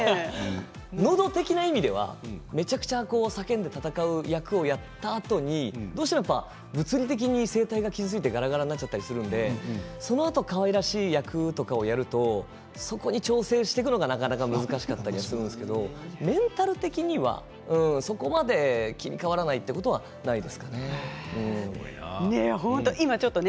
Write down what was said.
のど的な意味ではめちゃくちゃ叫んで戦う役をやったあとにどうしても物理的に声帯が傷ついて、がらがらになったりするのでそのあとかわいらしい役とかをするとそこに調整していくのがなかなか難しかったりするんですけどメンタル的には、そこまで切り替わらないいうことはないですかね。